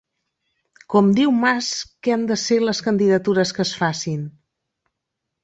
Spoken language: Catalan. Com diu Mas que han de ser les candidatures que es facin?